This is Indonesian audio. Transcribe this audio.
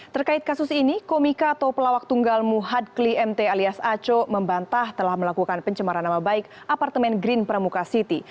terkait kasus ini komika atau pelawak tunggal muhad kli mt alias aco membantah telah melakukan pencemaran nama baik apartemen green pramuka city